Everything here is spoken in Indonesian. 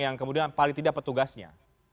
yang kemudian paling tidak petugasnya